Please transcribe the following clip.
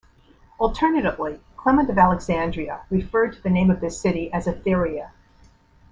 Alternatively, Clement of Alexandria referred to the name of this city as "Athyria".